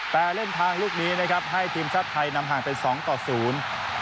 แต่เล่นทางลูกนี้นะครับให้ทีมชาติไทยนำห่างเป็น๒๐